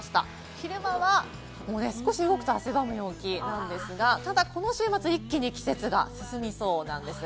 昼間は少し動くと汗ばむ陽気なんですが、週末は一気に秋が進みそうです。